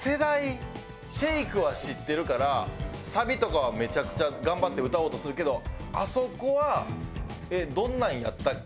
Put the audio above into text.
『ＳＨＡＫＥ』は知ってるからサビとかはめちゃくちゃ頑張って歌おうとするけどあそこは「えっどんなんやったっけ？」